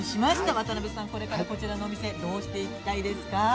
渡辺さん、これからこちらのお店、どうしていきたいですか？